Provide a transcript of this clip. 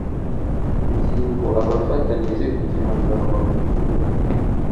ngingo abafatanyije igihangano bagumana